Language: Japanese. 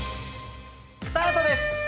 スタートです！